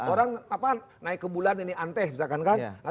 orang naik ke bulan ini anteh misalkan kan